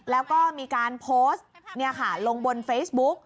แล้วก็มีการโพสต์ลงบนเฟซบุ๊ก